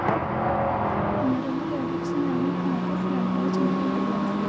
Mara moja alikusanya nyoka na ghafla aliwaacha huru kabla ya alfajiri